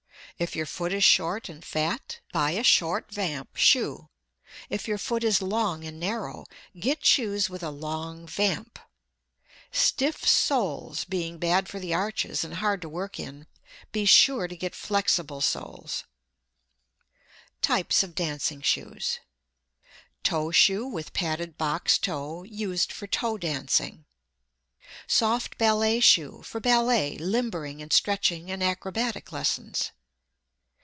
If your foot is short and fat, buy a short vamp shoe; if your foot is long and narrow, get shoes with a long vamp. Stiff soles being bad for the arches and hard to work in, be sure to get flexible soles. [Illustration: TYPES OF DANCING SHOES TOE SHOE WITH PADDED BOX TOE, USED FOR TOE DANCING. SOFT BALLET SHOE, FOR BALLET, LIMBERING AND STRETCHING AND ACROBATIC LESSONS.